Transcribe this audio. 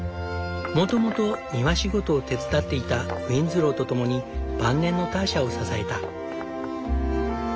もともと庭仕事を手伝っていたウィンズローと共に晩年のターシャを支えた。